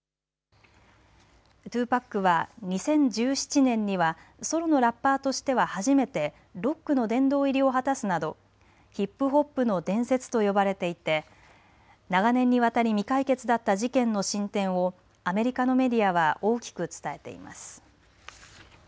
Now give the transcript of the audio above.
２ＰＡＣは２０１７年にはソロのラッパーとしては初めてロックの殿堂入りを果たすなどヒップホップの伝説と呼ばれていて長年にわたり未解決だった事件の進展をアメリカのメディアは大きく伝えています。